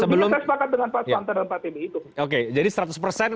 sebenarnya saya sepakat dengan pak sukamta dan pak tbi itu